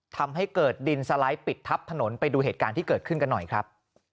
ทำให้เกิดดินสไลด์ปิดทับถนนไปดูเหตุการณ์ที่เกิดขึ้นกันหน่อยครับ